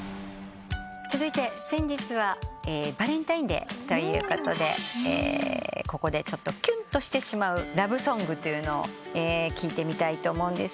続いて先日はバレンタインデーということでここでキュンとしてしまうラブソングというのを聞いてみたいと思います。